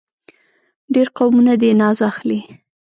ډېر قومونه دې ناز اخلي.